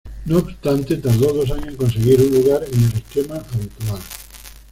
No obstante, tardó dos años en conseguir un lugar en el esquema habitual.